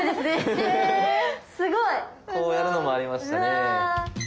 こうやるのもありましたね。